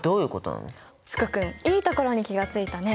福君いいところに気が付いたね。